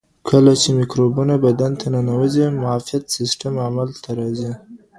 کله چې میکروبونه بدن ته ننوځي معافیت سیسټم عمل ته راځي.